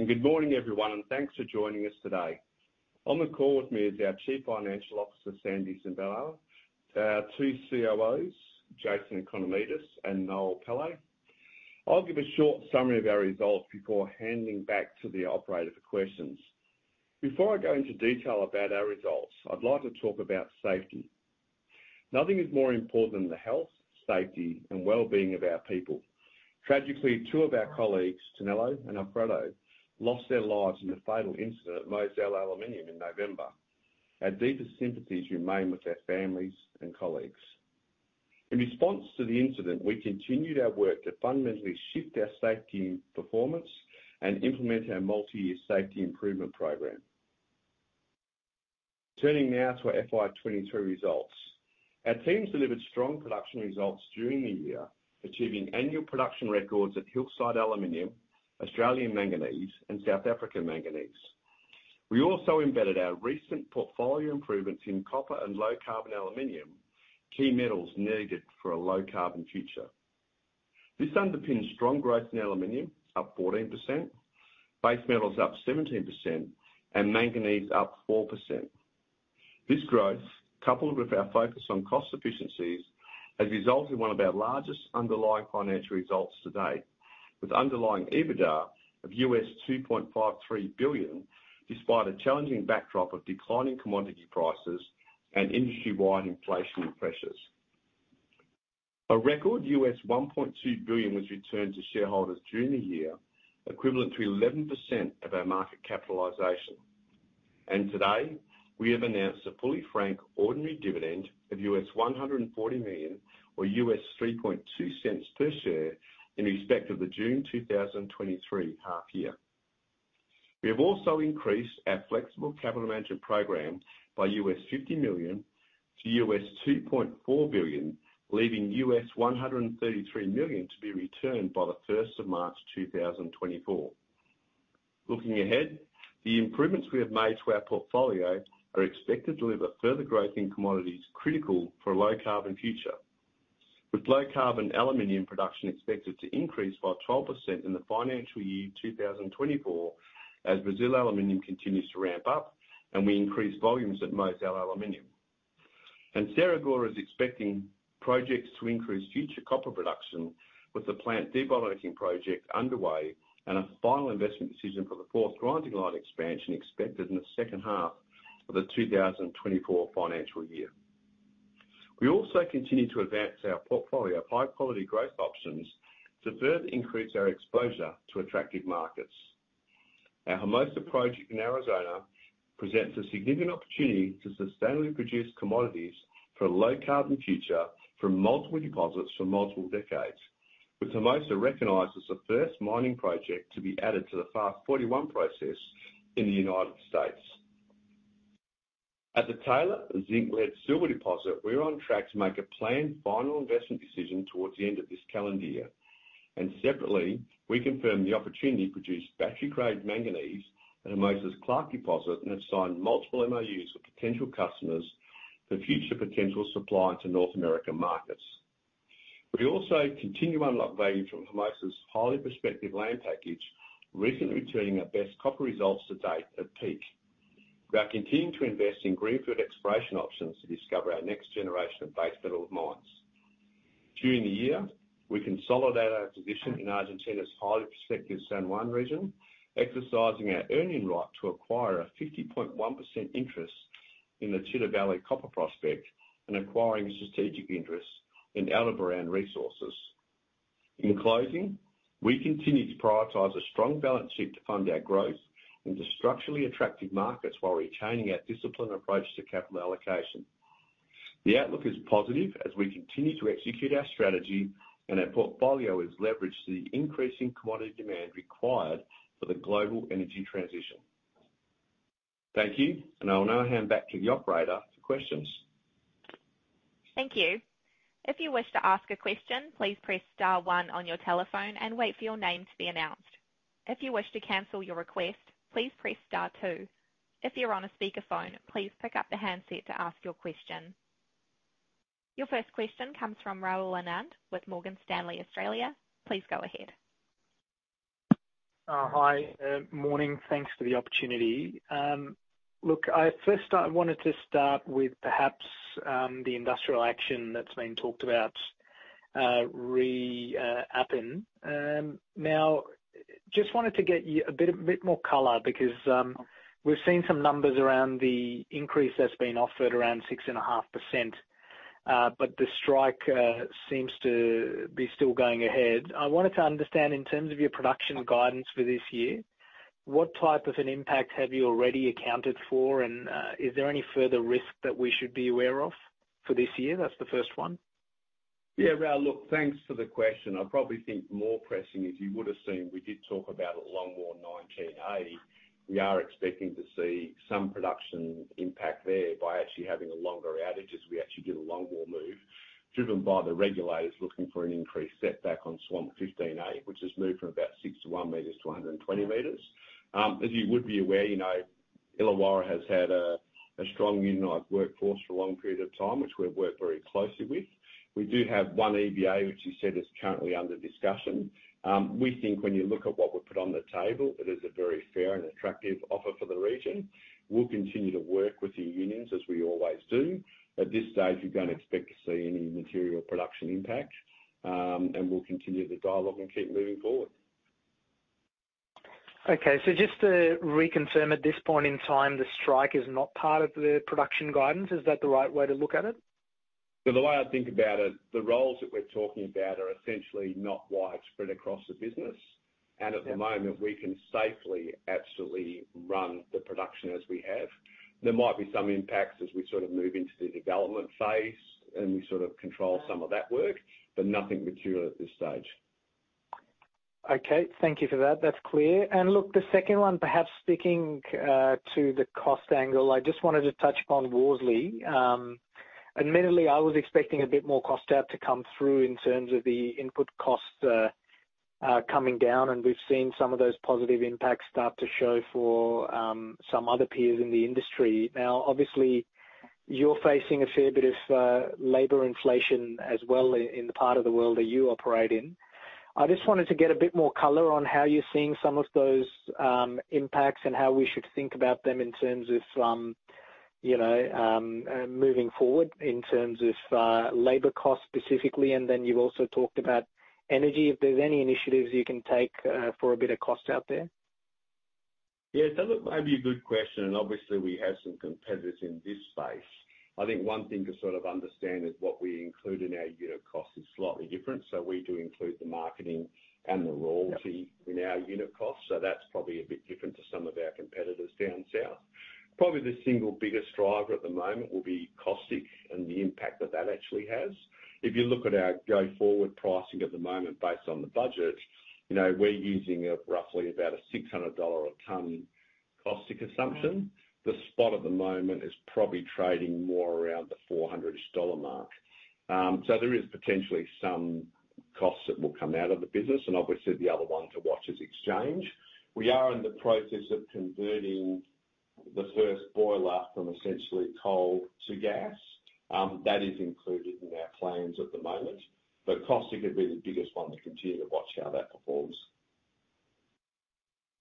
Thank you, and good morning, everyone, and thanks for joining us today. On the call with me is our Chief Financial Officer, Sandy Sibenaler, our two COOs, Jason Economidis and Noel Pillay. I'll give a short summary of our results before handing back to the operator for questions. Before I go into detail about our results, I'd like to talk about safety. Nothing is more important than the health, safety, and well-being of our people. Tragically, two of our colleagues, Tonela and Alfredo, lost their lives in a fatal incident at Mozal Aluminium in November. Our deepest sympathies remain with their families and colleagues. In response to the incident, we continued our work to fundamentally shift our safety performance and implement our multi-year safety improvement program. Turning now to our FY 2022 results. Our teams delivered strong production results during the year, achieving annual production records at Hillside Aluminium, Australia Manganese, and South African Manganese. We also embedded our recent portfolio improvements in copper and low-carbon aluminum, key metals needed for a low-carbon future. This underpinned strong growth in aluminum, up 14%, base metals up 17%, and manganese up 4%. This growth, coupled with our focus on cost efficiencies, has resulted in one of our largest underlying financial results to date, with underlying EBITDA of $2.53 billion, despite a challenging backdrop of declining commodity prices and industry-wide inflationary pressures. A record $1.2 billion was returned to shareholders during the year, equivalent to 11% of our market capitalization. Today, we have announced a fully franked ordinary dividend of $140 million, or $0.032 per share, in respect of the June 2023 half year. We have also increased our flexible capital management program by $50 million to $2.4 billion, leaving $133 million to be returned by the first of March 2024. Looking ahead, the improvements we have made to our portfolio are expected to deliver further growth in commodities, critical for a low-carbon future. With low-carbon aluminum production expected to increase by 12% in the financial year 2024, as Brazil Aluminium continues to ramp up, and we increase volumes at Mozal Aluminium. Sierra Gorda is expecting projects to increase future copper production, with the plant debottlenecking project underway, and a final investment decision for the fourth grinding line expansion expected in the second half of the 2024 financial year. We also continue to advance our portfolio of high-quality growth options to further increase our exposure to attractive markets. Our Hermosa project in Arizona presents a significant opportunity to sustainably produce commodities for a low-carbon future from multiple deposits, for multiple decades, with Hermosa recognized as the first mining project to be added to the FAST-41 process in the United States. At the Taylor zinc-lead-silver deposit, we're on track to make a planned final investment decision towards the end of this calendar year, and separately, we confirm the opportunity to produce battery-grade manganese at Hermosa's Clark deposit, and have signed multiple MOUs with potential customers for future potential supply to North American markets. We also continue to unlock value from Hermosa's highly prospective land package, recently returning our best copper results to date at Peak. We are continuing to invest in greenfield exploration options to discover our next generation of base metal mines. During the year, we consolidated our position in Argentina's highly prospective San Juan region, exercising our earning right to acquire a 50.1% interest in the Chita Valley copper prospect, and acquiring strategic interests in Aldebaran Resources. In closing, we continue to prioritize a strong balance sheet to fund our growth into structurally attractive markets, while retaining our disciplined approach to capital allocation. The outlook is positive as we continue to execute our strategy, and our portfolio is leveraged to the increasing commodity demand required for the global energy transition. Thank you, and I will now hand back to the operator for questions. Thank you. If you wish to ask a question, please press star one on your telephone and wait for your name to be announced. If you wish to cancel your request, please press star two. If you're on a speakerphone, please pick up the handset to ask your question. Your first question comes from Rahul Anand with Morgan Stanley, Australia. Please go ahead. Hi, morning. Thanks for the opportunity. Look, I first wanted to start with perhaps the industrial action that's been talked about re Appin. Now, just wanted to get you a bit more color because we've seen some numbers around the increase that's been offered around 6.5%. But the strike seems to be still going ahead. I wanted to understand, in terms of your production guidance for this year, what type of an impact have you already accounted for? And is there any further risk that we should be aware of for this year? That's the first one. Yeah, Rahul, look, thanks for the question. I probably think more pressing, as you would assume, we did talk about at Longwall 19A. We are expecting to see some production impact there by actually having a longer outage, as we actually do the Longwall move, driven by the regulators looking for an increased setback on Swamp 15A, which has moved from about 61 meters to 120 meters. As you would be aware, you know, Illawarra has had a strong unionized workforce for a long period of time, which we've worked very closely with. We do have one EBA, which you said is currently under discussion. We think when you look at what we've put on the table, it is a very fair and attractive offer for the region. We'll continue to work with the unions, as we always do. At this stage, we don't expect to see any material production impact. We'll continue the dialogue and keep moving forward. Okay. Just to reconfirm, at this point in time, the strike is not part of the production guidance. Is that the right way to look at it? The way I think about it, the roles that we're talking about are essentially not widespread across the business. Yeah. At the moment, we can safely, absolutely run the production as we have. There might be some impacts as we sort of move into the development phase, and we sort of control some of that work, but nothing material at this stage. Okay. Thank you for that. That's clear. And look, the second one, perhaps speaking to the cost angle, I just wanted to touch upon Worsley. Admittedly, I was expecting a bit more cost out to come through in terms of the input costs coming down, and we've seen some of those positive impacts start to show for some other peers in the industry. Now, obviously, you're facing a fair bit of labor inflation as well, in the part of the world that you operate in. I just wanted to get a bit more color on how you're seeing some of those impacts, and how we should think about them in terms of, you know, moving forward in terms of labor costs specifically, and then you've also talked about energy. If there's any initiatives you can take, for a bit of cost out there? Yeah, so look, maybe a good question, and obviously we have some competitors in this space. I think one thing to sort of understand is what we include in our unit cost is slightly different. So we do include the marketing and the royalty- In our unit cost, so that's probably a bit different to some of our competitors down south. Probably the single biggest driver at the moment will be caustic and the impact that that actually has. If you look at our go-forward pricing at the moment, based on the budget, you know, we're using roughly about a $600 a ton caustic assumption. The spot at the moment is probably trading more around the $400-ish mark. So there is potentially some costs that will come out of the business, and obviously the other one to watch is exchange. We are in the process of converting the first boiler from essentially coal to gas. That is included in our plans at the moment, but caustic would be the biggest one to continue to watch how that performs.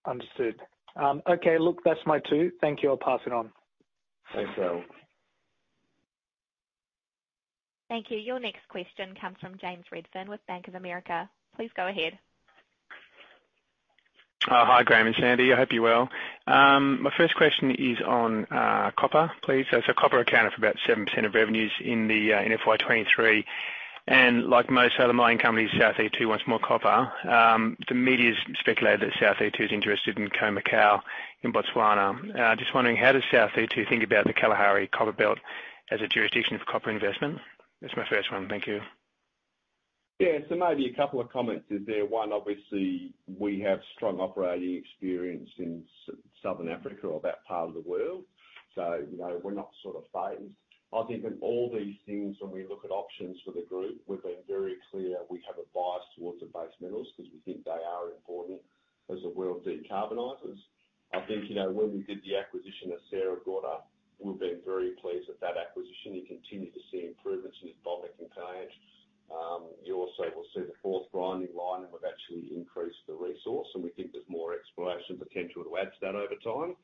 Understood. Okay, look, that's my two. Thank you. I'll pass it on. Thanks, Rahul. Thank you. Your next question comes from James Redfern with Bank of America. Please go ahead. Hi, Graham and Sandy. I hope you're well. My first question is on copper, please. So, so copper accounted for about 7% of revenues in FY 2023, and like most other mining companies, South32 wants more copper. The media's speculated that South32 is interested in Khoemacau in Botswana. Just wondering, how does South32 think about the Kalahari Copper Belt as a jurisdiction for copper investment? That's my first one. Thank you. Yeah, so maybe a couple of comments is there. One, obviously, we have strong operating experience in Southern Africa or that part of the world, so you know, we're not sort of fazed. I think in all these things, when we look at options for the group, we've been very clear we have a bias towards the base metals, because we think they are important as the world decarbonizes. I think, you know, when we did the acquisition of Sierra Gorda, we've been very pleased with that acquisition. You continue to see improvements in the debottlenecking. You also will see the Fourth Grinding Line, and we've actually increased the resource, and we think there's more exploration potential to add to that over time.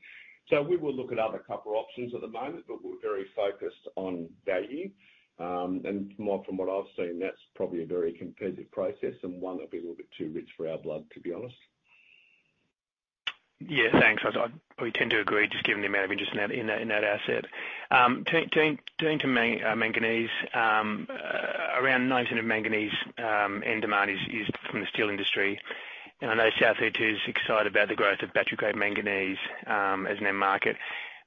So we will look at other copper options at the moment, but we're very focused on value. And from what I've seen, that's probably a very competitive process and one that'll be a little bit too rich for our blood, to be honest. Yeah, thanks. I, we tend to agree, just given the amount of interest in that asset. Turning to manganese, around 90% of manganese in demand is from the steel industry. And I know South32 is excited about the growth of battery-grade manganese as an end market.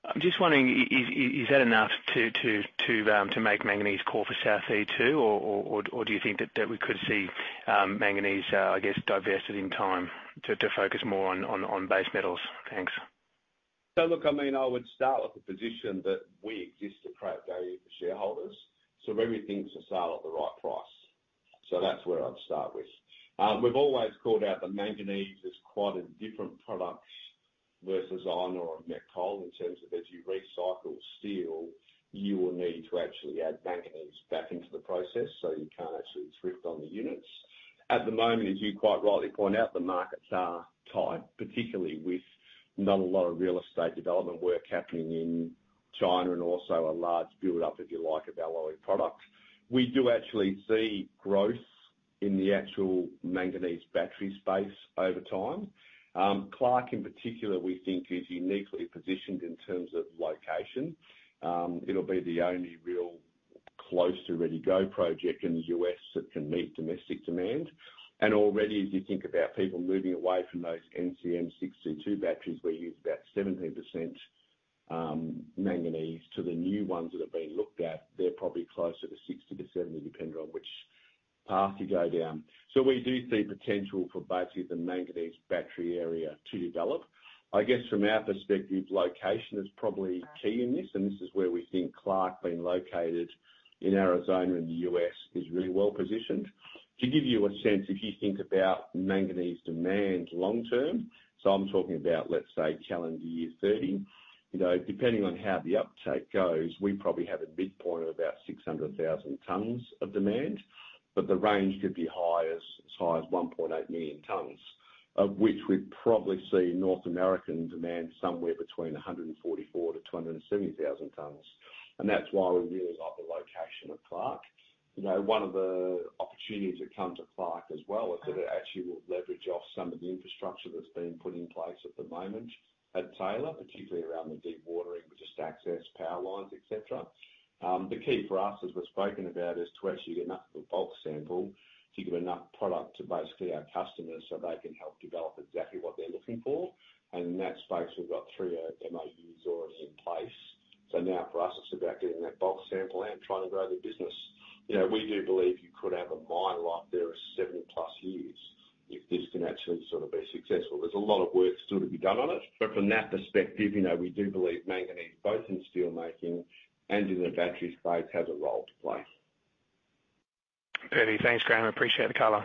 I'm just wondering, is that enough to make manganese core for South32, or do you think that we could see manganese, I guess, divested in time to focus more on base metals? Thanks. So look, I mean, I would start with the position that we exist to create value for shareholders, so everything's for sale at the right price. That's where I'd start with. We've always called out the manganese as quite a different product versus iron or met coal, in terms of as you recycle steel, you will need to actually add manganese back into the process, so you can't actually thrift on the units. At the moment, as you quite rightly point out, the markets are tight, particularly with not a lot of real estate development work happening in China, and also a large build up, if you like, of alloy products. We do actually see growth in the actual manganese battery space over time. Clark in particular, we think is uniquely positioned in terms of location. It'll be the only real close to ready-go project in the U.S. that can meet domestic demand. And already, as you think about people moving away from those NCM622 batteries, where you use about 17% manganese, to the new ones that are being looked at, they're probably closer to 60%-70%, depending on which path to go down. So we do see potential for both the manganese battery area to develop. I guess, from our perspective, location is probably key in this, and this is where we think Clark being located in Arizona, in the U.S., is really well positioned. To give you a sense, if you think about manganese demand long term, so I'm talking about, let's say, calendar year 2030, you know, depending on how the uptake goes, we probably have a midpoint of about 600,000 tons of demand, but the range could be as high as 1.8 million tons. Of which we probably see North American demand somewhere between 144,000-270,000 tons, and that's why we really like the location of Clark. You know, one of the opportunities that come to Clark as well, is that it actually will leverage off some of the infrastructure that's been put in place at the moment at Taylor, particularly around the dewatering, which is access, power lines, etc. The key for us, as we've spoken about, is to actually get enough of a bulk sample to give enough product to basically our customers, so they can help develop exactly what they're looking for. And in that space, we've got three MAUs already in place. So now, for us, it's about getting that bulk sample out and trying to grow the business. You know, we do believe you could have a mine life there of 70+ years if this can actually sort of be successful. There's a lot of work still to be done on it, but from that perspective, you know, we do believe manganese, both in steelmaking and in the battery space, has a role to play. Perfect. Thanks, Graham. Appreciate the color.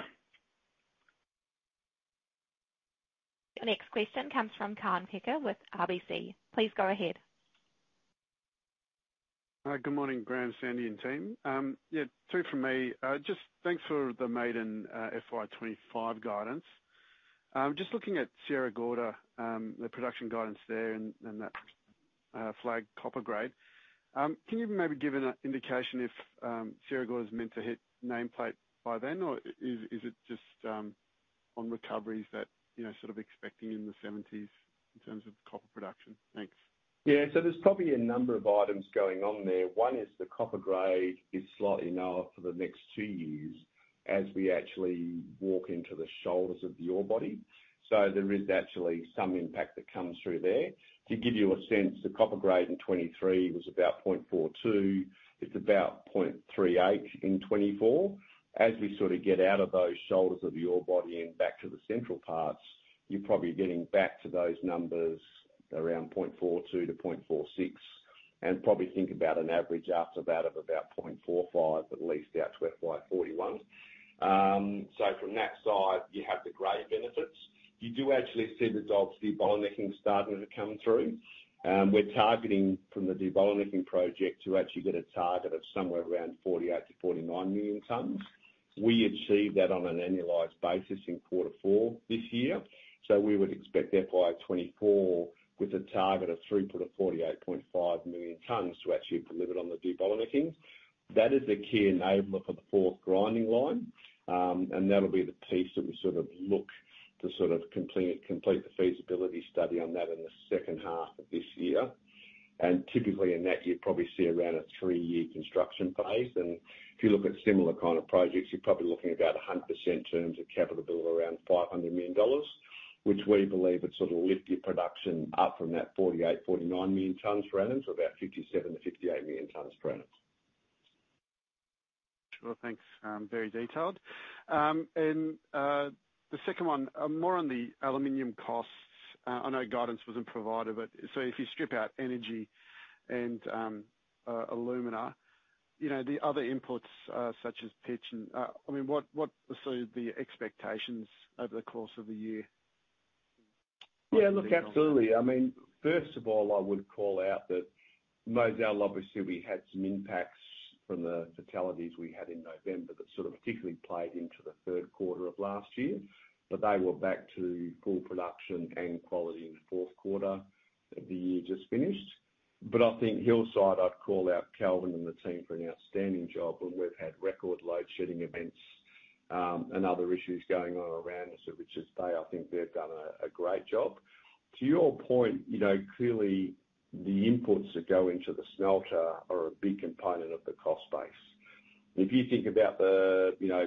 The next question comes from Kaan Peker with RBC. Please go ahead. Good morning, Graham, Sandy, and team. Yeah, two from me. Just thanks for the maiden FY25 guidance. Just looking at Sierra Gorda, the production guidance there and, and that flag copper grade. Can you maybe give an indication if Sierra Gorda is meant to hit nameplate by then, or is, is it just on recoveries that you know sort of expecting in the 70s in terms of copper production? Thanks. Yeah. So there's probably a number of items going on there. One is the copper grade is slightly lower for the next two years as we actually walk into the shoulders of the ore body, so there is actually some impact that comes through there. To give you a sense, the copper grade in 2023 was about 0.42. It's about 0.38 in 2024. As we sort of get out of those shoulders of the ore body and back to the central parts, you're probably getting back to those numbers around 0.42-0.46, and probably think about an average after that of about 0.45, at least out to FY 2041. So from that side, you have the grade benefits. You do actually see the results, the bottlenecking starting to come through. We're targeting from the debottlenecking project to actually get a target of somewhere around 48 million-49 million tons. We achieved that on an annualized basis in quarter four this year, so we would expect FY 2024, with a target of 48.5 million tons, to actually deliver on the debottlenecking. That is the key enabler for the fourth grinding line, and that'll be the piece that we sort of look to sort of complete the feasibility study on that in the second half of this year. Typically, in that, you'd probably see around a three year construction phase, and if you look at similar kind of projects, you're probably looking about 100% in terms of capital build around $500 million, which we believe would sort of lift the production up from that 48 million-49 million tons per annum to about 57million-58 million tons per annum. Sure. Thanks, very detailed. And, the second one, more on the aluminum costs. I know guidance wasn't provided, but so if you strip out energy and alumina, you know, the other inputs, such as pitch and, I mean, what are sort of the expectations over the course of the year? Yeah, look, absolutely. I mean, first of all, I would call out that Mozal, obviously, we had some impacts from the fatalities we had in November, that sort of particularly played into the Q3 of last year, but they were back to full production and quality in the Q4 of the year just finished. But I think Hillside, I'd call out Calvin and the team for an outstanding job, when we've had record load shedding events, and other issues going on around us, of which they, I think they've done a great job. To your point, you know, clearly the inputs that go into the smelter are a big component of the cost base. If you think about the, you know,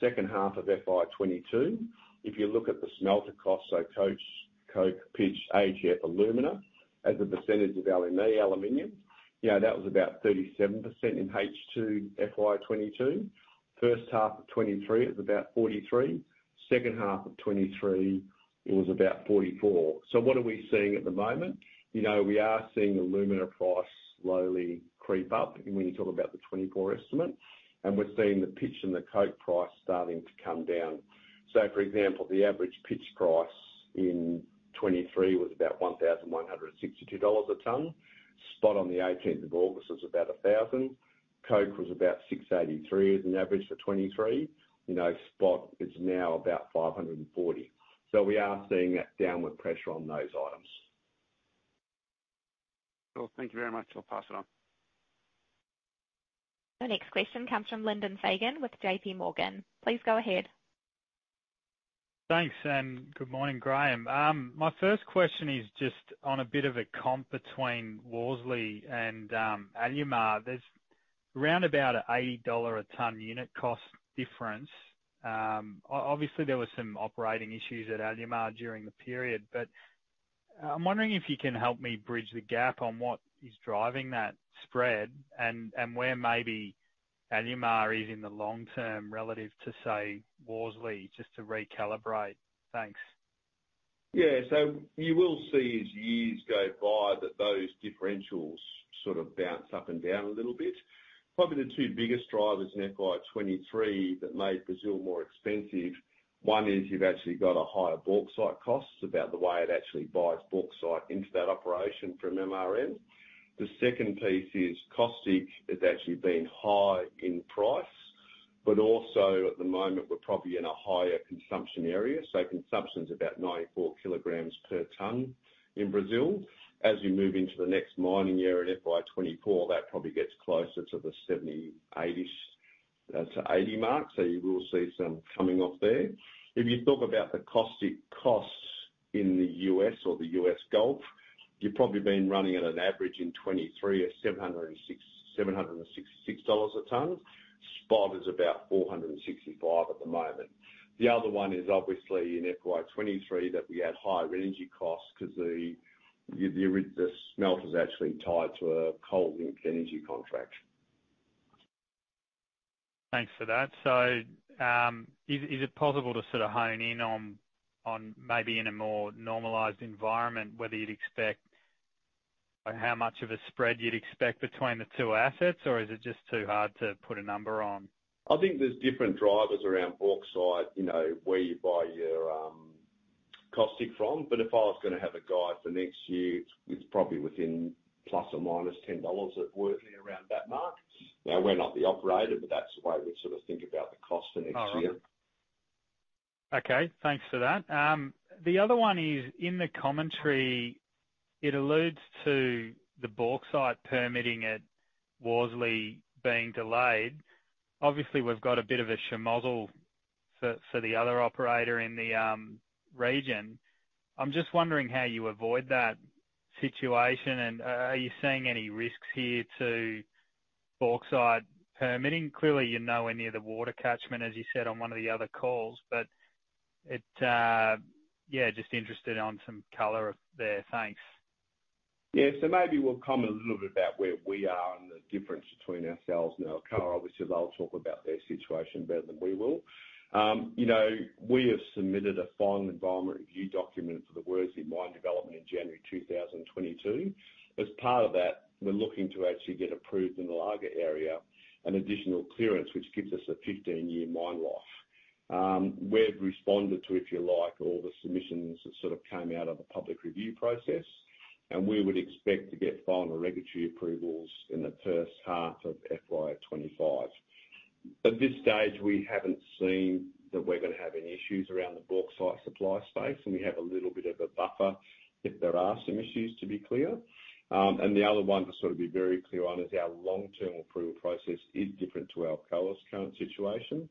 second half of FY 2022, if you look at the smelter costs, so coke, pitch, HF, alumina, as a percentage of aluminum, you know, that was about 37% in H2 FY 2022. First half of 2023, it was about 43%. Second half of 2023, it was about 44%. So what are we seeing at the moment? You know, we are seeing alumina prices slowly creep up when you talk about the 2024 estimate, and we're seeing the pitch and the coke price starting to come down. So, for example, the average pitch price in 2023 was about $1,162 a ton. Spot on the eighteenth of August was about $1,000. Coke was about $683 as an average for 2023. You know, spot is now about $540. We are seeing that downward pressure on those items. Cool. Thank you very much. I'll pass it on. The next question comes from Lyndon Fagan with JP Morgan. Please go ahead. Thanks, and good morning, Graham. My first question is just on a bit of a comp between Worsley and Alumar. There's around about an $80 a ton unit cost difference. Obviously, there were some operating issues at Alumar during the period, but I'm wondering if you can help me bridge the gap on what is driving that spread, and where maybe Alumar is in the long term relative to, say, Worsley, just to recalibrate. Thanks. Yeah, so you will see as years go by that those differentials sort of bounce up and down a little bit. Probably the two biggest drivers in FY 2023 that made Brazil more expensive, one is you've actually got a higher bauxite cost about the way it actually buys bauxite into that operation from MRN. The second piece is, caustic has actually been high in price, but also at the moment, we're probably in a higher consumption area. So consumption's about 94 kilograms per ton in Brazil. As you move into the next mining year in FY 2024, that probably gets closer to the 70, 80-ish to 80 mark, so you will see some coming off there. If you talk about the caustic costs in the U.S. or the U.S. Gulf, you've probably been running at an average in 2023 of $766 a ton. Spot is about $465 at the moment. The other one is obviously in FY 2023, that we had higher energy costs 'cause the smelter's actually tied to a coal-linked energy contract. Thanks for that. So, is it possible to sort of hone in on maybe in a more normalized environment, whether you'd expect or how much of a spread you'd expect between the two assets, or is it just too hard to put a number on? I think there's different drivers around bauxite, you know, where you buy your caustic from. But if I was gonna have a guide for next year, it's probably within ±$10, it would be around that mark. Now, we're not the operator, but that's the way we sort of think about the cost for next year. All right. Okay, thanks for that. The other one is, in the commentary, it alludes to the bauxite permitting at Worsley being delayed. Obviously, we've got a bit of a shemozzle for, for the other operator in the, region. I'm just wondering how you avoid that situation, and, are you seeing any risks here to bauxite permitting? Clearly, you're nowhere near the water catchment, as you said on one of the other calls, but it. Yeah, just interested on some color there. Thanks. Yeah, so maybe we'll comment a little bit about where we are and the difference between ourselves and Alcoa. Obviously, they'll talk about their situation better than we will. You know, we have submitted a final environment review document for the Worsley mine development in January 2022. As part of that, we're looking to actually get approved in the larger area, an additional clearance, which gives us a 15-year mine life. We've responded to, if you like, all the submissions that sort of came out of the public review process, and we would expect to get final regulatory approvals in the first half of FY25. At this stage, we haven't seen that we're gonna have any issues around the bauxite supply space, and we have a little bit of a buffer if there are some issues, to be clear. And the other one, to sort of be very clear on, is our long-term approval process is different to Alcoa's current situation.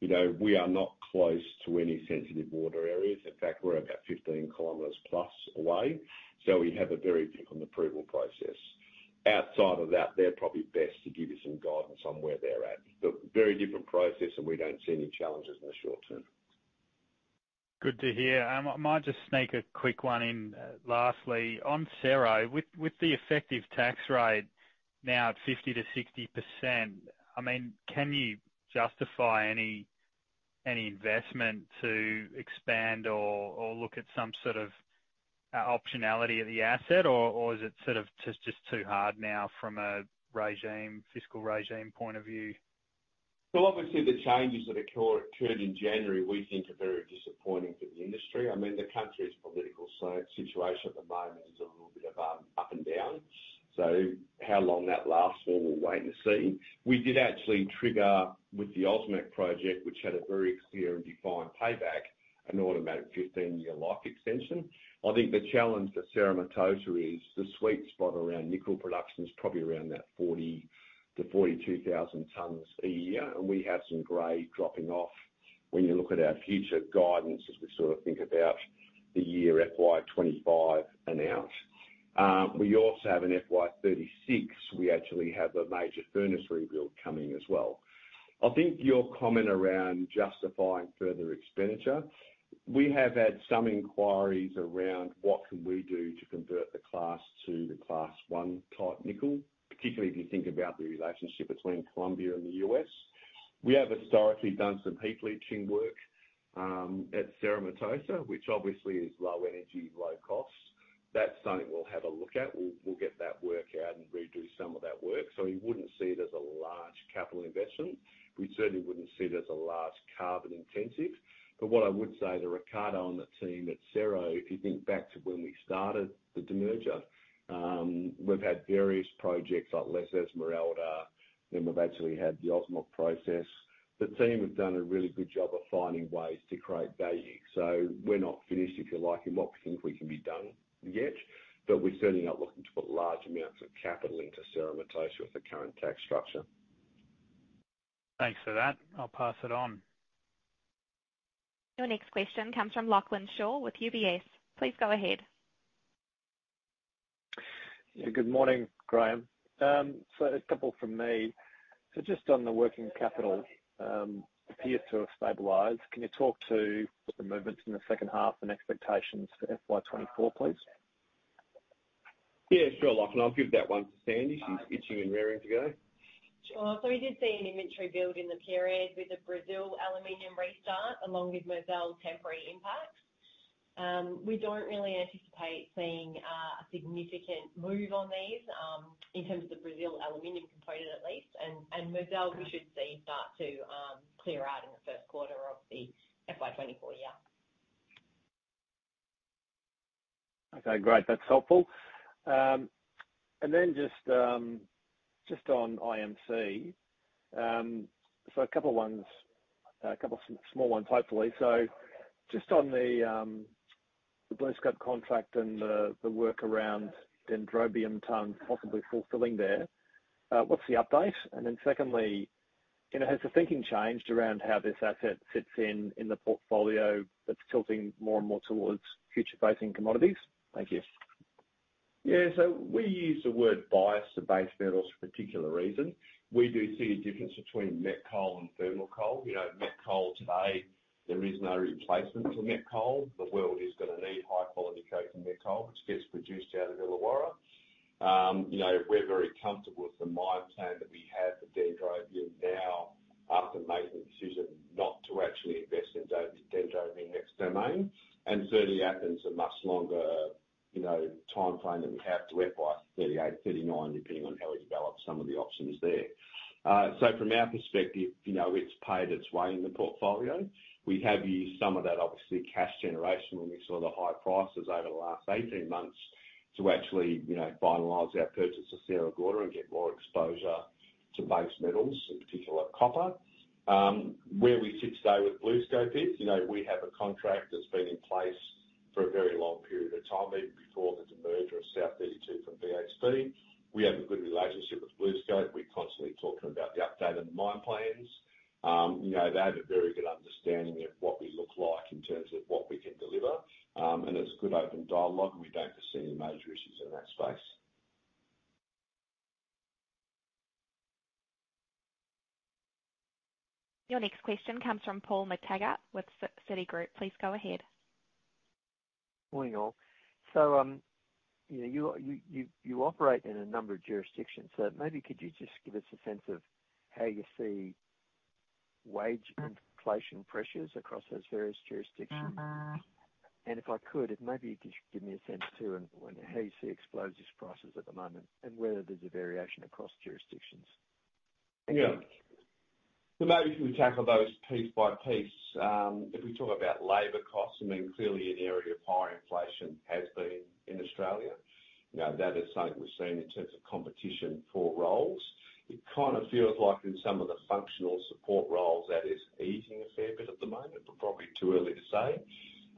You know, we are not close to any sensitive water areas. In fact, we're about 15 kilometers plus away, so we have a very different approval process. Outside of that, they're probably best to give you some guidance on where they're at. But very different process, and we don't see any challenges in the short term. Good to hear. I might just sneak a quick one in, lastly. On Cerro, with the effective tax rate now at 50%-60%, I mean, can you justify any investment to expand or look at some sort of optionality of the asset, or is it sort of just too hard now from a regime, fiscal regime point of view? Well, obviously, the changes that occurred, occurred in January, we think are very disappointing for the industry. I mean, the country's political situation at the moment is a little bit of up and down. So how long that lasts, well, we'll wait and see. We did actually trigger with the Osmak project, which had a very clear and defined payback, an automatic 15-year life extension. I think the challenge for Cerro Matoso is the sweet spot around nickel production is probably around that 40-42,000 tons a year, and we have some grade dropping off when you look at our future guidance, as we sort of think about the year FY 2025 and out. We also have an FY 2036. We actually have a major furnace rebuild coming as well. I think your comment around justifying further expenditure, we have had some inquiries around what can we do to convert the Class 2 to Class 1-type nickel, particularly if you think about the relationship between Colombia and the U.S. We have historically done some heap leaching work at Cerro Matoso, which obviously is low energy, low costs. That's something we'll have a look at. We'll get that work out and redo some of that work, so you wouldn't see it as a large capital investment. We certainly wouldn't see it as a large carbon intensive. But what I would say to Ricardo on the team at Cerro, if you think back to when we started the demerger, we've had various projects like Esmeralda, then we've actually had the Osmok process. The team have done a really good job of finding ways to create value, so we're not finished, if you like, in what we think we can be done yet, but we're certainly not looking to put large amounts of capital into Cerro Matoso with the current tax structure. Thanks for that. I'll pass it on. Your next question comes from Lachlan Shaw with UBS. Please go ahead. Yeah, good morning, Graham. So a couple from me. So just on the working capital, appears to have stabilized. Can you talk to the movements in the second half and expectations for FY24, please? Yeah, sure, Lachlan. I'll give that one to Sandy. She's itching and raring to go. Sure. So we did see an inventory build in the period with the Brazil Aluminium restart, along with Mozal temporary impact. We don't really anticipate seeing a significant move on these, in terms of Brazil Aluminium component at least. And Mozal, we should see start to clear out in the Q1 of the FY24 year. Okay, great. That's helpful. And then just on IMC, so a couple ones, a couple small ones, hopefully. So just on the BlueScope contract and the work around Dendrobium ton, possibly fulfilling there, what's the update? And then secondly, you know, has the thinking changed around how this asset fits in the portfolio that's tilting more and more towards future-facing commodities? Thank you. Yeah. So we use the word bias to base metals for a particular reason. We do see a difference between met coal and thermal coal. You know, met coal today, there is no replacement for met coal. The world is gonna need high-quality coking met coal, which gets produced out of Illawarra. You know, we're very comfortable with the mine plan that we have for Dendrobium now, after making the decision not to actually invest in Dendrobium in the next domain. And certainly happens a much longer, you know, timeframe that we have to it by 38, 39, depending on how we develop some of the options there. So from our perspective, you know, it's paid its way in the portfolio. We have used some of that, obviously, cash generation when we saw the high prices over the last 18 months to actually, you know, finalize our purchase of Sierra Gorda and get more exposure to base metals, in particular, copper. Where we sit today with BlueScope is, you know, we have a contract that's been in place for a very long period of time, even before the demerger of South32 from BHP. We have a good relationship with BlueScope. We constantly talk to them about the updated mine plans. You know, they have a very good understanding of what we look like in terms of what we can deliver. And it's a good open dialogue, and we don't foresee any major issues in that space. Your next question comes from Paul McTaggart with Citi Group. Please go ahead. Morning, all. So, you know, you operate in a number of jurisdictions, so maybe could you just give us a sense of how you see wage inflation pressures across those various jurisdictions? If I could, maybe you could give me a sense, too, on how you see explosives prices at the moment, and whether there's a variation across jurisdictions? Yeah. So maybe if we tackle those piece by piece. If we talk about labor costs, I mean, clearly an area of high inflation has been in Australia. You know, that is something we've seen in terms of competition for roles. It kind of feels like in some of the functional support roles, that is easing a fair bit at the moment, but probably too early to say.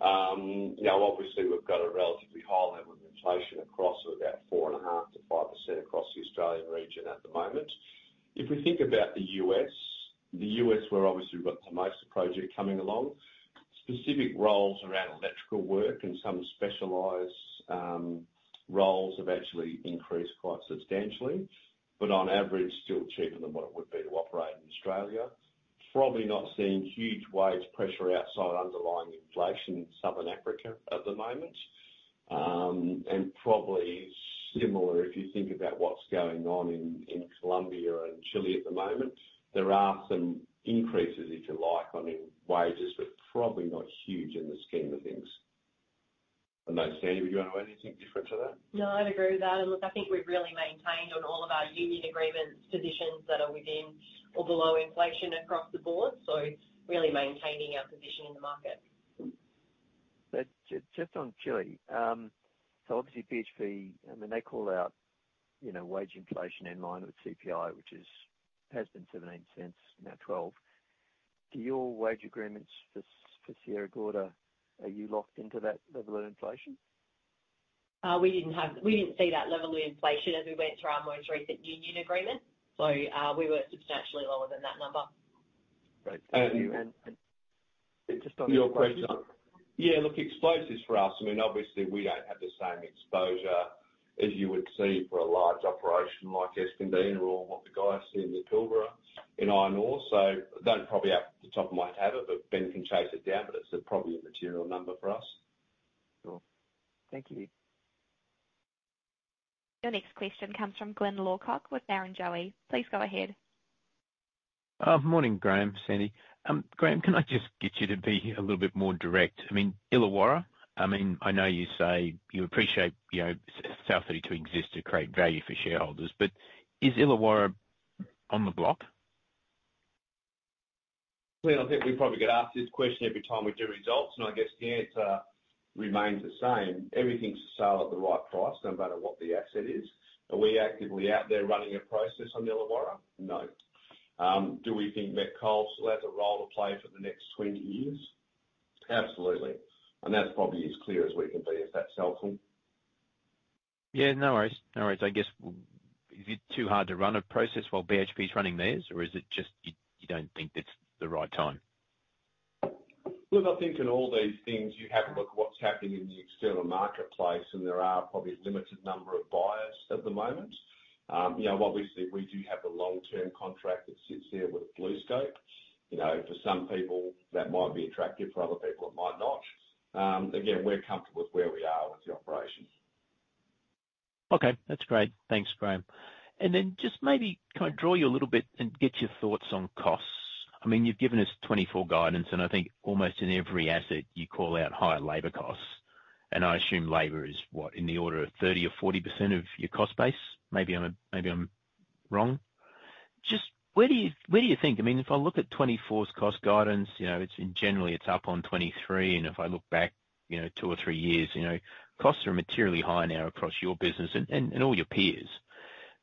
You know, obviously, we've got a relatively high level of inflation across about 4.5%-5% across the Australian region at the moment. If we think about the U.S., the U.S., where obviously we've got the most of project coming along, specific roles around electrical work and some specialized roles have actually increased quite substantially, but on average, still cheaper than what it would be to operate in Australia. Probably not seeing huge wage pressure outside underlying inflation in Southern Africa at the moment. And probably similar, if you think about what's going on in, in Colombia and Chile at the moment. There are some increases, if you like, I mean, wages, but probably not huge in the scheme of things. I don't know, Sandy, would you add anything different to that? No, I'd agree with that. And look, I think we've really maintained on all of our union agreements, positions that are within or below inflation across the board, so really maintaining our position in the market. But just on Chile, so obviously BHP, I mean, they call out, you know, wage inflation in line with CPI, which has been 17%, now 12%. Do your wage agreements for Sierra Gorda, are you locked into that level of inflation? We didn't see that level of inflation as we went through our most recent union agreement, so we were substantially lower than that number. Great. Your question. Yeah, look, explosives for us, I mean, obviously, we don't have the same exposure as you would see for a large operation like Escondida or what the guys see in the Pilbara, in iron ore. So don't probably have the top of my head, but Ben can chase it down, but it's probably a material number for us. Cool. Thank you. Your next question comes from Glyn Lawcock with Barrenjoey. Please go ahead. Morning, Graham, Sandy. Graham, can I just get you to be a little bit more direct? I mean, Illawarra, I mean, I know you say you appreciate, you know, South32 exists to create value for shareholders, but is Illawarra on the block? Glyn, I think we probably get asked this question every time we do results, and I guess the answer remains the same. Everything's for sale at the right price, no matter what the asset is. Are we actively out there running a process on Illawarra? No. Do we think met coal still has a role to play for the next 20 years? Absolutely. That's probably as clear as we can be, if that's helpful. Yeah, no worries, no worries. I guess, is it too hard to run a process while BHP is running theirs, or is it just you, you don't think it's the right time? Well, I think in all these things, you have to look at what's happening in the external marketplace, and there are probably a limited number of buyers at the moment. You know, obviously, we do have a long-term contract that sits there with BlueScope. You know, for some people that might be attractive, for other people, it might not. Again, we're comfortable with where we are with the operation. Okay, that's great. Thanks, Graham. And then, just maybe can I draw you a little bit and get your thoughts on costs? I mean, you've given us 2024 guidance, and I think almost in every asset you call out higher labor costs. And I assume labor is what, in the order of 30% or 40% of your cost base? Maybe I'm, maybe I'm wrong. Just where do you, where do you think, I mean, if I look at 2024's cost guidance, you know, it's generally, it's up on 2023, and if I look back, you know, two or thtree years, you know, costs are materially high now across your business and, and, and all your peers.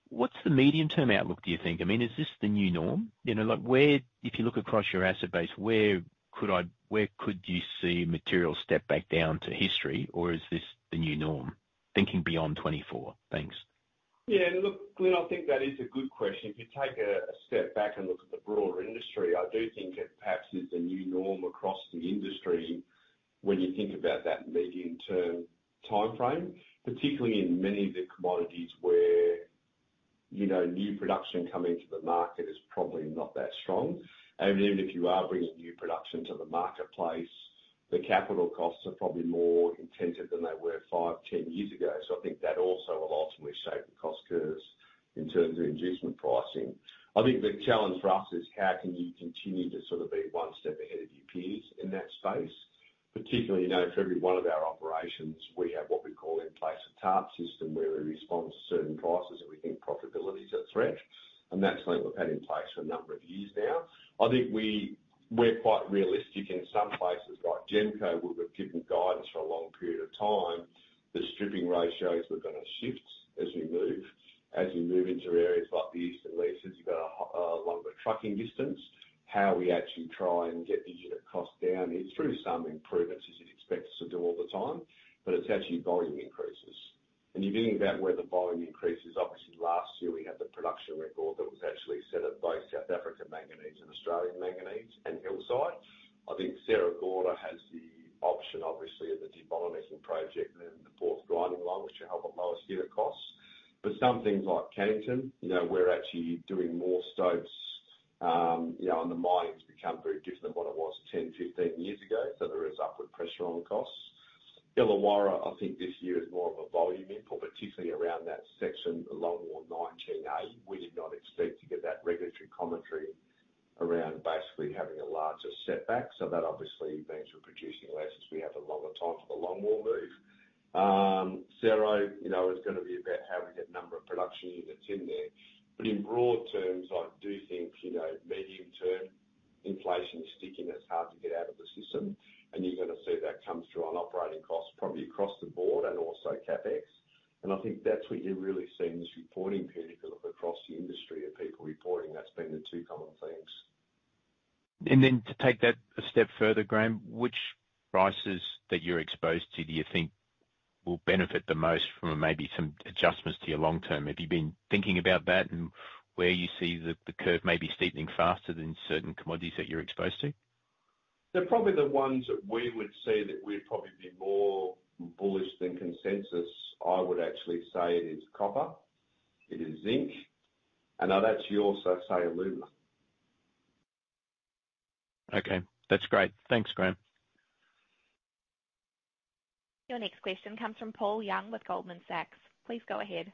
What's the medium-term outlook, do you think? I mean, is this the new norm? You know, like, where, if you look across your asset base, where could you see material step back down to history? Or is this the new norm, thinking beyond 2024? Thanks. Yeah, look, Glyn, I think that is a good question. If you take a step back and look at the broader industry, I do think it perhaps is the new norm across the industry when you think about that medium-term timeframe, particularly in many of the commodities where, you know, new production coming to the market is probably not that strong. And even if you are bringing new production to the marketplace, the capital costs are probably more intensive than they were five, 10 years ago. So I think that also will ultimately shape the cost curves in terms of inducement pricing. I think the challenge for us is how can you continue to sort of be one step ahead of your peers in that space? Particularly, you know, for every one of our operations, we have what we call in place, a TARP system, where we respond to certain prices, and we think profitability is at risk. And that's something we've had in place for a number of years now. I think we, we're quite realistic in some places, like GEMCO, where we've given guidance for a long period of time, the stripping ratios were gonna shift as we move. As we move into areas like the Eastern Leases, you've got a longer trucking distance. How we actually try and get the unit cost down, it's through some improvements, as you'd expect us to do all the time, but it's actually volume increases. And you think about where the volume increases, obviously last year we had the production record that was actually set at both South African Manganese and Australian Manganese and Hillside. I think Sierra Gorda has the option, obviously, of the debottlenecking project and the fourth grinding line, which should help with lower steel costs. But some things like Cannington, you know, we're actually doing more stopes, you know, and the mining's become very different than what it was 10, 15 years ago, so there is upward pressure on the costs. Illawarra, I think this year is more of a volume input, particularly around that section, Longwall 19A. We did not expect to get that regulatory commentary around basically having a larger setback, so that obviously means we're producing less as we have a longer time for the longwall move. Sierra, you know, is gonna be about having a number of production units in there. But in broad terms, I do think, you know, medium-term inflation is sticking, it's hard to get out of the system, and you're gonna see that come through on operating costs, probably across the board and also CapEx. And I think that's what you're really seeing this reporting period, if you look across the industry at people reporting, that's been the two common themes. And then to take that a step further, Graham, which prices that you're exposed to do you think will benefit the most from maybe some adjustments to your long term? Have you been thinking about that and where you see the curve maybe steepening faster than certain commodities that you're exposed to? They're probably the ones that we would see that we'd probably be more bullish than consensus. I would actually say it is copper, it is zinc, and I'd actually also say aluminum. Okay. That's great. Thanks, Graham. Your next question comes from Paul Young with Goldman Sachs. Please go ahead.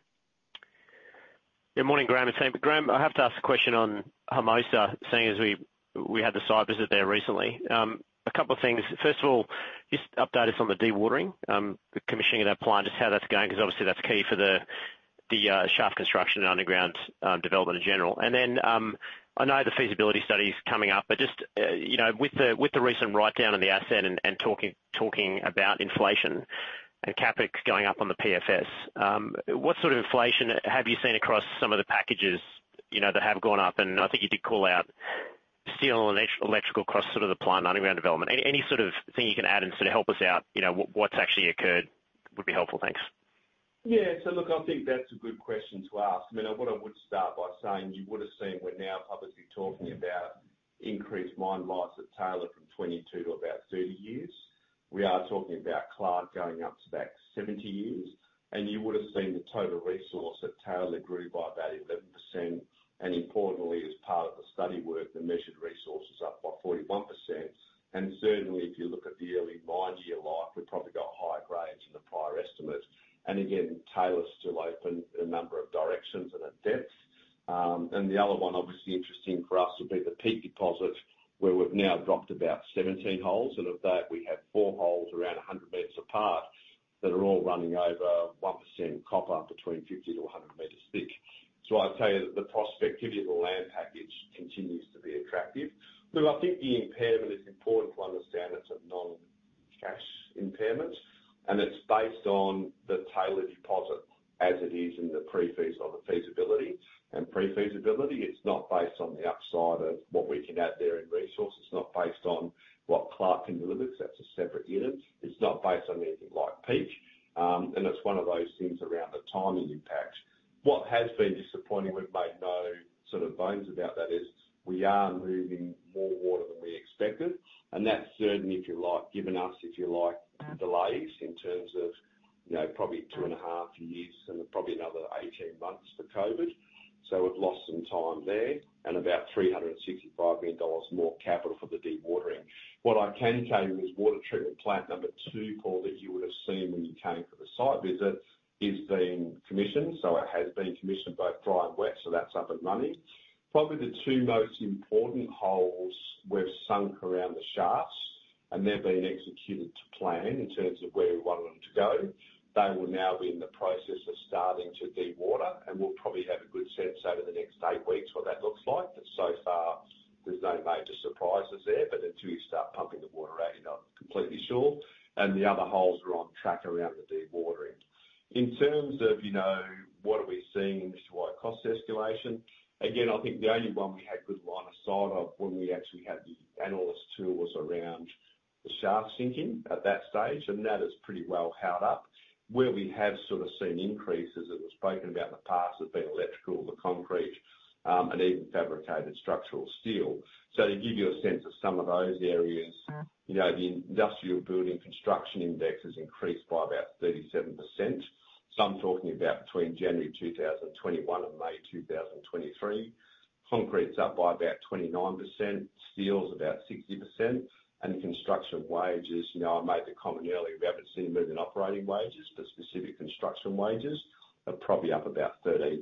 Good morning, Graham and team. Graham, I have to ask a question on Hermosa, seeing as we had the site visit there recently. A couple of things. First of all, just update us on the dewatering, the commissioning of that plant, just how that's going, because obviously that's key for the shaft construction and underground development in general. And then, I know the feasibility study is coming up, but just, you know, with the recent write-down on the asset and talking about inflation and CapEx going up on the PFS, what sort of inflation have you seen across some of the packages, you know, that have gone up? And I think you did call out steel and electrical across sort of the plant and underground development. Any sort of thing you can add and sort of help us out, you know, what's actually occurred would be helpful. Thanks. Yeah, so look, I think that's a good question to ask. I mean, what I would start by saying, you would have seen we're now obviously talking about increased mine lives at Taylor from 22 to about 30 years. We are talking about Clark going up to about 70 years, and you would have seen the total resource at Taylor grew by about 11%. Importantly, as part of the study work, the measured resource is up by 41%. Certainly, if you look at the early mine year life, we've probably got higher grades than the prior estimates. Again, Taylor is still open in a number of directions and at depth. And the other one, obviously interesting for us, would be the Peak Deposit, where we've now dropped about 17 holes, and of that, we have four holes around 100 meters apart, that are all running over 1% copper, between 50-100 meters thick. So I'd tell you that the prospectivity of the land package continues to be attractive. So I think the impairment is important to understand. It's a non-cash impairment, and it's based on the Taylor Deposit as it is in the pre-feas on the feasibility and pre-feasibility. It's not based on the upside of what we can add there in resource. It's not based on what Clark can deliver, because that's a separate unit. It's not based on anything like peak, and it's one of those things around the timing impact. What has been disappointing, we've made no sort of bones about that, is we are moving more water than we expected, and that's certainly, if you like, given us, if you like, delays in terms of, you know, probably two and a half years and probably another 18 months for COVID. So we've lost some time there, and about $365 million more capital for the dewatering. What I can tell you is water treatment plant number two, Paul, that you would have seen when you came for the site visit, is being commissioned. So it has been commissioned both dry and wet, so that's up and running. Probably the two most important holes we've sunk around the shafts, and they've been executed to plan in terms of where we want them to go. They will now be in the process of starting to dewater, and we'll probably have a good sense over the next eight weeks what that looks like. But so far, there's no major surprises there. But until you start pumping the water out, you're not completely sure, and the other holes are on track around the dewatering. In terms of, you know, what are we seeing in industry-wide cost escalation? Again, I think the only one we had good line of sight of when we actually had the analyst tour was around the shaft sinking at that stage, and that has pretty well held up. Where we have sort of seen increases, as was spoken about in the past, have been electrical, the concrete, and even fabricated structural steel. So to give you a sense of some of those areas- You know, the industrial building construction index has increased by about 37%. So I'm talking about between January 2021 and May 2023. Concrete's up by about 29%, steel's about 60%, and construction wages, you know, I made the comment earlier, we haven't seen a move in operating wages, but specific construction wages are probably up about 13%.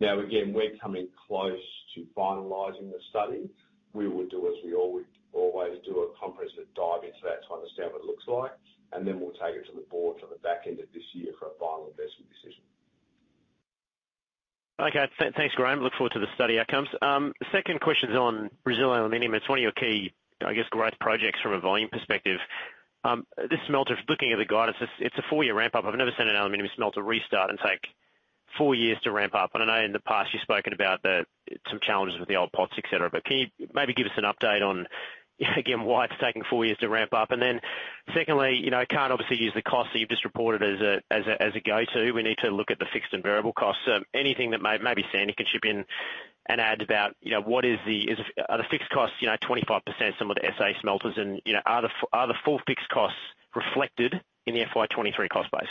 Now, again, we're coming close to finalizing the study. We will do as we always do, a comprehensive dive into that to understand what it looks like, and then we'll take it to the board on the back end of this year for a final investment decision. Okay. Thanks, Graham. Look forward to the study outcomes. Second question is on Brazilian aluminum. It's one of your key, I guess, growth projects from a volume perspective. This smelter, looking at the guidance, it's a four-year ramp-up. I've never seen an aluminum smelter restart and take four years to ramp up. And I know in the past you've spoken about some challenges with the old pots, et cetera. But can you maybe give us an update on, again, why it's taking four years to ramp up? And then, secondly, you know, I can't obviously use the costs that you've just reported as a go-to. We need to look at the fixed and variable costs. So anything that maybe Sandy can chip in and add about, you know, what is the- Are the fixed costs, you know, 25% some of the SA smelters? And, you know, are the full fixed costs reflected in the FY 2023 cost base?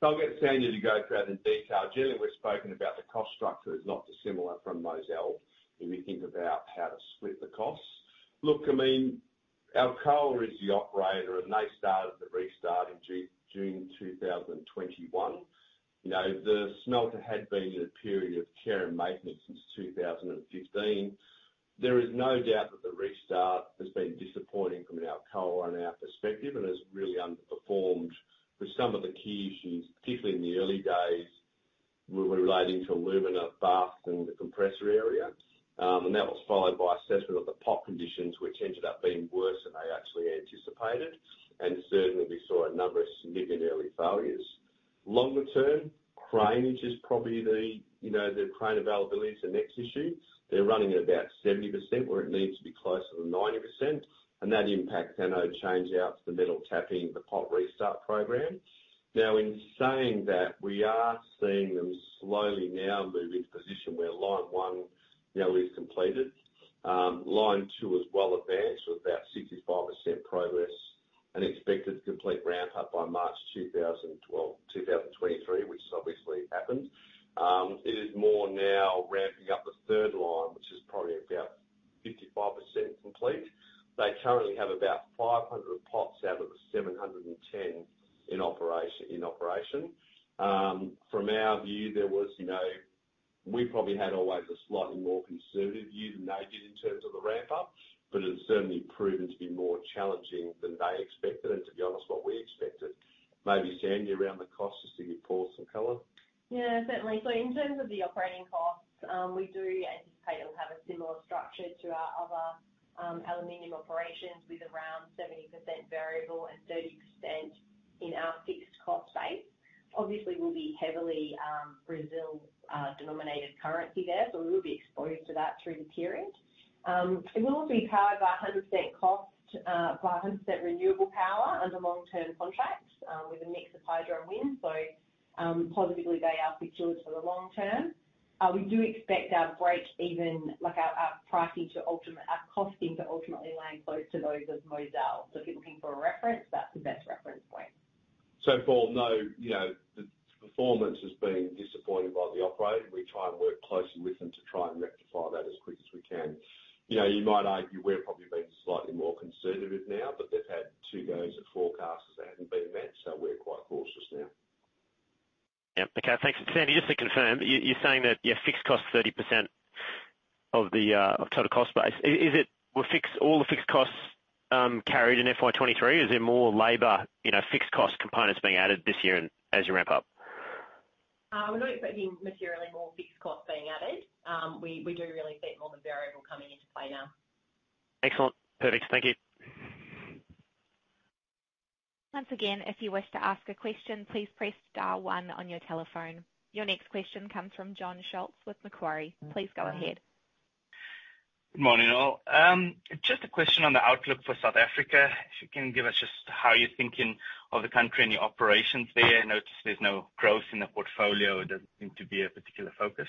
So I'll get Sandy to go through that in detail. Generally, we've spoken about the cost structure is not dissimilar from Mozal, if we think about how to split the costs. Look, I mean, Alcoa is the operator, and they started the restart in June 2021. You know, the smelter had been in a period of care and maintenance since 2015. There is no doubt that the restart has been disappointing from an Alcoa and our perspective, and has really underperformed. With some of the key issues, particularly in the early days, were relating to alumina bath and the compressor area. And that was followed by assessment of the pot conditions, which ended up being worse than they actually anticipated. And certainly we saw a number of significant early failures. Longer term, craneage is probably the, you know, the crane availability is the next issue. They're running at about 70%, where it needs to be closer to 90%, and that impacts any change out to the metal tapping the pot restart program. Now, in saying that, we are seeing them slowly now move into position where line one now is completed. Line two is well advanced, with about 65% progress and expected to complete ramp up by March 2023, which has obviously happened. It is more now ramping up the third line, which is probably about 55% complete. They currently have about 500 pots out of the 710 in operation, in operation. From our view, there was, you know, we probably had always a slightly more conservative view than they did in terms of the ramp up, but it's certainly proven to be more challenging than they expected, and to be honest, what we expected. Maybe Sandy, around the costs, just to give Paul some color. Yeah, certainly. So in terms of the operating costs, we do anticipate it'll have a similar structure to our other aluminum operations, with around 70% variable and 30% in our fixed cost base. Obviously, we'll be heavily Brazil-denominated currency there, so we will be exposed to that through the period. It will be powered by 100% cost, by 100% renewable power under long-term contracts, with a mix of hydro and wind. So, positively, they are secured for the long term. We do expect our break even, like, our costing to ultimately land close to those of Mozal. So if you're looking for a reference, that's the best reference point. So, Paul, no, you know, the performance has been disappointing by the operator. We try and work closely with them to try and rectify that as quick as we can. You know, you might argue we're probably being slightly more conservative now, but they've had two goes at forecasts that haven't been met, so we're quite cautious now. Yeah. Okay, thanks. Sandy, just to confirm, you, you're saying that, yeah, fixed costs 30% of the total cost base. Is it, were all the fixed costs carried in FY 2023? Is there more labor, you know, fixed cost components being added this year and as you ramp up? We're not expecting materially more fixed costs being added. We do really see more of the variable coming into play now. Excellent. Perfect. Thank you. Once again, if you wish to ask a question, please press star one on your telephone. Your next question comes from John Schultz with Macquarie. Please go ahead. Good morning, all. Just a question on the outlook for South Africa. If you can give us just how you're thinking of the country and your operations there? I notice there's no growth in the portfolio. It doesn't seem to be a particular focus.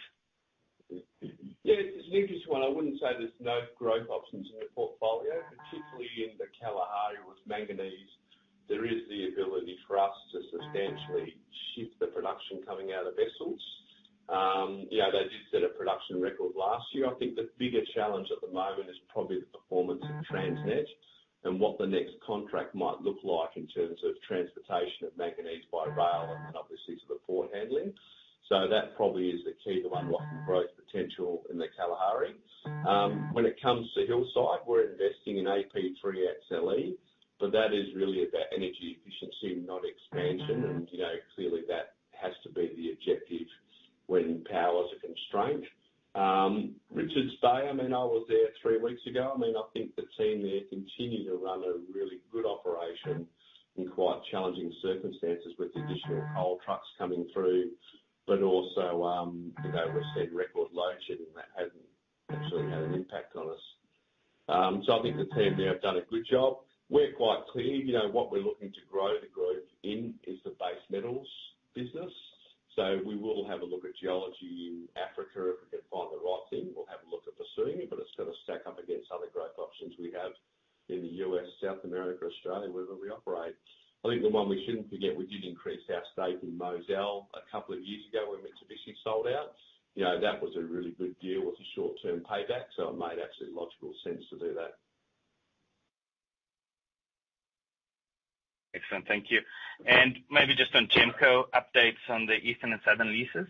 Yeah, it's an interesting one. I wouldn't say there's no growth options in the portfolio, particularly in the Kalahari, with manganese, there is the ability for us to substantially shift the production coming out of vessels. Yeah, they did set a production record last year. I think the bigger challenge at the moment is probably the performance of Transnet, and what the next contract might look like in terms of transportation of manganese by rail, and then obviously to the port handling. So that probably is the key to unlocking growth potential in the Kalahari. When it comes to Hillside, we're investing in AP3XLE, but that is really about energy efficiency, not expansion. You know, clearly that has to be the objective when power is a constraint. Richards Bay, I mean, I was there three weeks ago. I mean, I think the team there continue to run a really good operation in quite challenging circumstances, with the additional- coal trucks coming through. But also, you know, we've seen record load shedding that hasn't actually had an impact on us. So I think the team there have done a good job. We're quite clear, you know, what we're looking to grow, to growth in, is the base metals business. So we will have a look at geology in Africa. If we can find the right thing, we'll have a look at pursuing it, but it's got to stack up against other growth options we have in the U.S., South America, Australia, wherever we operate. I think the one we shouldn't forget, we did increase our stake in Mozal a couple of years ago when Mitsubishi sold out. You know, that was a really good deal with a short-term payback, so it made absolute logical sense to do that. Excellent. Thank you. And maybe just on GEMCO, updates on the Eastern and Southern Leases.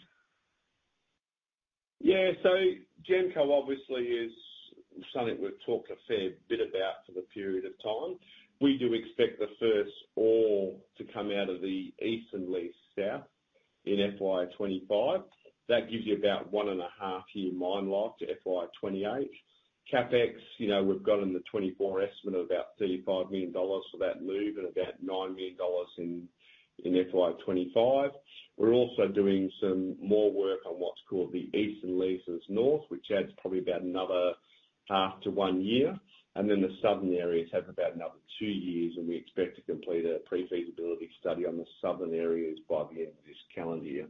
Yeah. So GEMCO obviously is something we've talked a fair bit about for the period of time. We do expect the first ore to come out of the Eastern Lease South in FY 2025. That gives you about 1.5-year mine life to FY 2028. CapEx, you know, we've got in the 2024 estimate of about $35 million for that move and about $9 million in, in FY 2025. We're also doing some more work on what's called the Eastern Leases North, which adds probably about another 0.5-1 year, and then the southern areas have about another two years, and we expect to complete a pre-feasibility study on the southern areas by the end of this calendar year.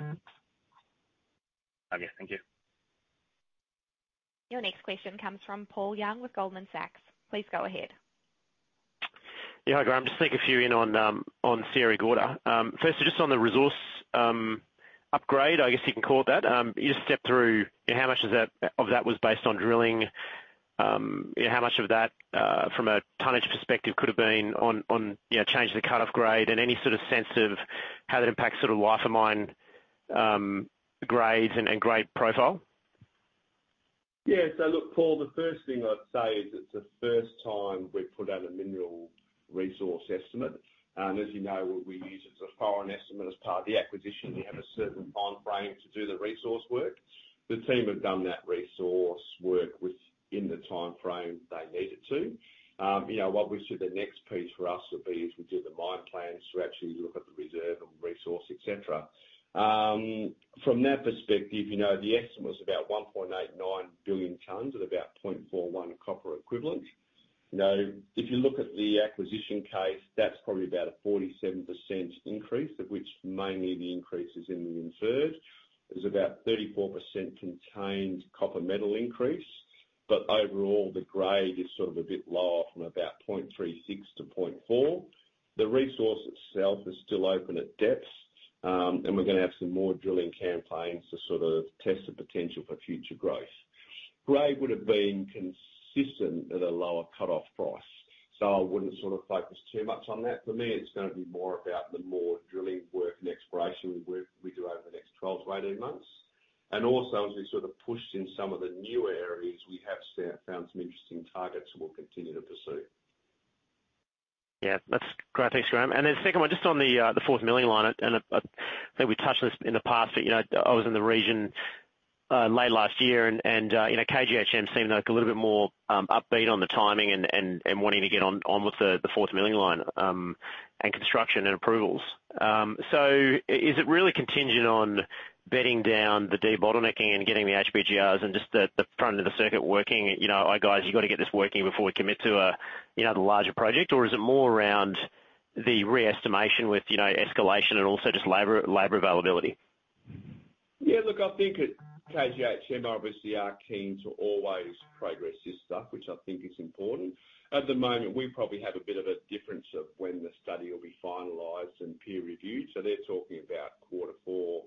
Okay, thank you. Your next question comes from Paul Young with Goldman Sachs. Please go ahead. Yeah, hi, Graham. Just take a few in on, on Sierra Gorda. Firstly, just on the resource upgrade, I guess you can call it that. Can you just step through how much does that of that was based on drilling? How much of that, from a tonnage perspective, could have been on, on, you know, change the cut-off grade, and any sort of sense of how that impacts sort of life of mine grades and grade profile? Yeah. So look, Paul, the first thing I'd say is it's the first time we've put out a mineral resource estimate. And as you know, we used a JORC estimate as part of the acquisition. We have a certain time frame to do the resource work. The team have done that resource work within the time frame they needed to. You know, obviously, the next piece for us would be is we do the mine plan to actually look at the reserve and resource, et cetera. From that perspective, you know, the estimate was about 1.89 billion tons at about 0.41 copper equivalent. You know, if you look at the acquisition case, that's probably about a 47% increase, of which mainly the increase is in the inferred. There's about 34% contained copper metal increase, but overall, the grade is sort of a bit lower, from about 0.36 to 0.4. The resource itself is still open at depth, and we're gonna have some more drilling campaigns to sort of test the potential for future growth. Grade would have been consistent at a lower cut-off price, so I wouldn't sort of focus too much on that. For me, it's gonna be more about the more drilling work and exploration work we do over the next 12 to 18 months. And also, as we sort of pushed in some of the new areas, we have found some interesting targets we'll continue to pursue. Yeah, that's great. Thanks, Graham. And then the second one, just on the fourth grinding line, and I think we touched on this in the past, but you know, I was in the region late last year, and you know, KGHM seemed a little bit more upbeat on the timing and wanting to get on with the fourth grinding line, and construction and approvals. So is it really contingent on bedding down the debottlenecking and getting the HBGRs and just the front of the circuit working? You know, "All right, guys, you've got to get this working before we commit to you know, the larger project," or is it more around the re-estimation with you know, escalation and also just labor availability? Yeah, look, I think at KGHM, obviously, are keen to always progress this stuff, which I think is important. At the moment, we probably have a bit of a difference of when the study will be finalized and peer reviewed, so they're talking about Q4,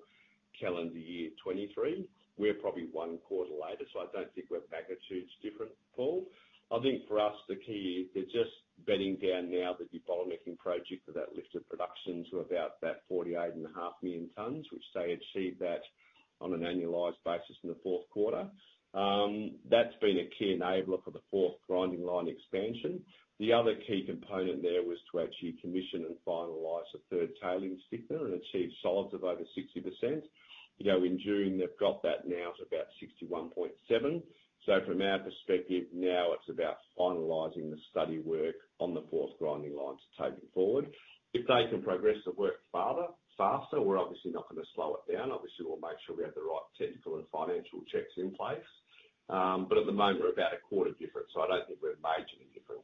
calendar year 2023. We're probably one quarter later, so I don't think we're magnitudes different, Paul. I think for us, the key is just bedding down now the debottlenecking project for that lift of production to about that 48.5 million tons, which they achieved that on an annualized basis in the Q4. That's been a key enabler for the fourth grinding line expansion. The other key component there was to achieve commissioning and finalize the third tailings stacker and achieve solids of over 60%. You know, in June, they've got that now to about 61.7%. So from our perspective now, it's about finalizing the study work on the fourth grinding line to take it forward. If they can progress the work farther, faster, we're obviously not gonna slow it down. Obviously, we'll make sure we have the right technical and financial checks in place. But at the moment, we're about a quarter different, so I don't think we're majorly different.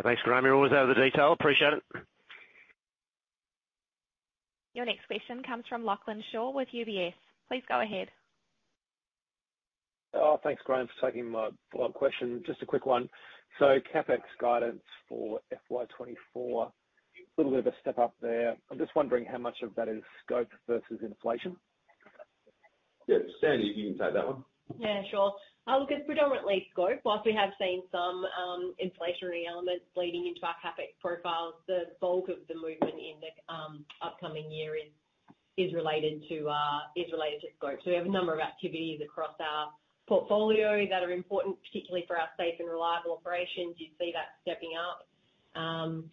Thanks, Graham. You're always have the detail. Appreciate it. Your next question comes from Lachlan Shaw with UBS. Please go ahead. Oh, thanks, Graham, for taking my follow-up question. Just a quick one. So CapEx guidance for FY 2024, little bit of a step up there. I'm just wondering how much of that is scope versus inflation? Yeah, Sandy, you can take that one. Yeah, sure. Look, it's predominantly scope. While we have seen some inflationary elements bleeding into our CapEx profile, the bulk of the movement in the upcoming year is related to scope. So we have a number of activities across our portfolio that are important, particularly for our safe and reliable operations. You see that stepping up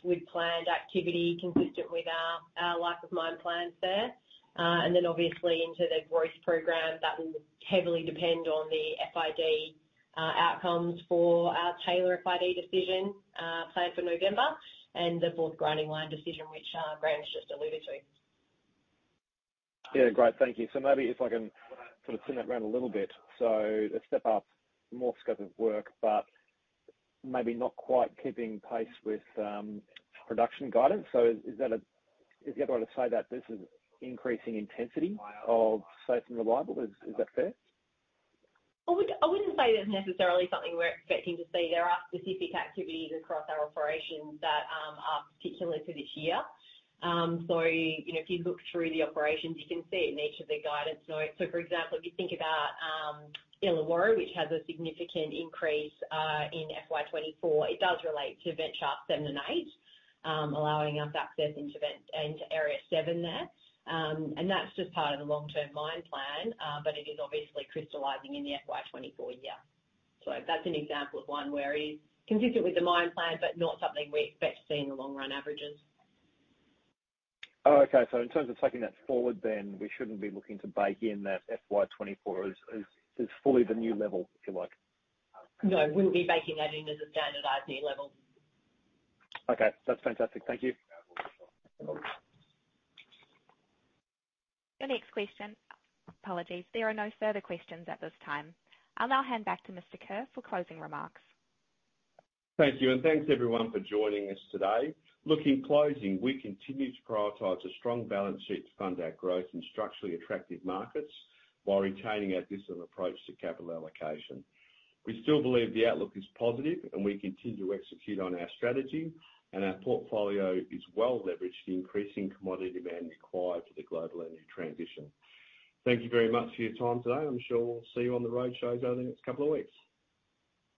with planned activity consistent with our life of mine plans there. And then obviously into the growth program, that will heavily depend on the FID outcomes for our Taylor FID decision planned for November and the fourth grinding line decision, which Graham has just alluded to. Yeah, great. Thank you. So maybe if I can sort of turn that around a little bit. So a step up, more scope of work, but maybe not quite keeping pace with production guidance. So is that the other way to say that this is increasing intensity of safe and reliable? Is that fair? I would, I wouldn't say that's necessarily something we're expecting to see. There are specific activities across our operations that are particular to this year. So, you know, if you look through the operations, you can see it in each of the guidance notes. So, for example, if you think about Illawarra, which has a significant increase in FY 2024, it does relate to vent shaft seven and eight, allowing us access into vent, into area seven there. And that's just part of the long-term mine plan, but it is obviously crystallizing in the FY 2024 year. So that's an example of one where it is consistent with the mine plan, but not something we expect to see in the long run averages. Oh, okay. So in terms of taking that forward, then, we shouldn't be looking to bake in that FY 2024 as fully the new level, if you like? No, we'll be baking that in as a standard IP level. Okay, that's fantastic. Thank you. Your next question. Apologies. There are no further questions at this time. I'll now hand back to Mr. Kerr for closing remarks. Thank you, and thanks, everyone, for joining us today. Look, in closing, we continue to prioritize a strong balance sheet to fund our growth in structurally attractive markets while retaining our disciplined approach to capital allocation. We still believe the outlook is positive, and we continue to execute on our strategy, and our portfolio is well leveraged to increasing commodity demand required for the global energy transition. Thank you very much for your time today. I'm sure we'll see you on the road shows over the next couple of weeks.